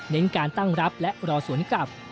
การตั้งรับและรอสวนกลับ